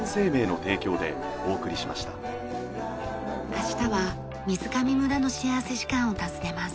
明日は水上村の幸福時間を訪ねます。